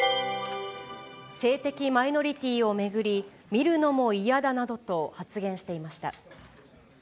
性的マイノリティーを巡り、見るのも嫌だなどと発言していました。